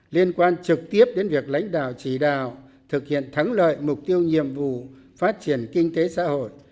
liên quan trực tiếp đến việc lãnh đạo chỉ đạo thực hiện thắng lợi mục tiêu nhiệm vụ phát triển kinh tế xã hội